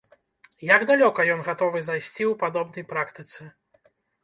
Як далёка ён гатовы зайсці ў падобнай практыцы?